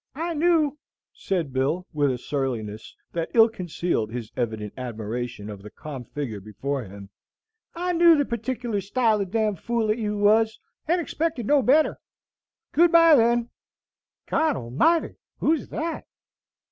"I knew," said Bill, with a surliness that ill concealed his evident admiration of the calm figure before him "I knew the partikler style of d n fool that you was, and expected no better. Good by, then God Almighty! who's that?"